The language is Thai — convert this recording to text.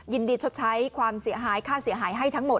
ชดใช้ความเสียหายค่าเสียหายให้ทั้งหมด